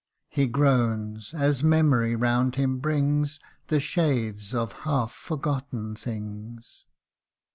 He groans, as memory round him brings The shades of half forgotten things.